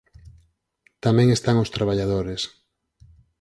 Tamén están os traballadores.